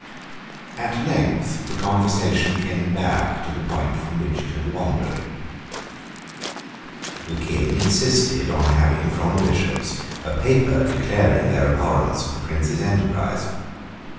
At length the conversation came back to the point from which it had wandered. The King insisted on having from the Bishops a paper declaring their abhorrence of the Prince's enterprise.